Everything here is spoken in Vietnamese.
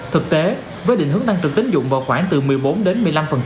thực tế với định hướng tăng trưởng tính dụng vào khoảng từ một mươi bốn đến một mươi năm